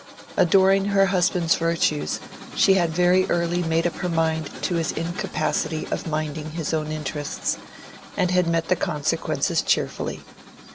Adoring her husband's virtues, she had very early made up her mind to his incapacity of minding his own interests, and had met the consequences cheerfully.